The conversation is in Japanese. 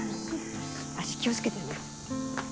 足気を付けてね。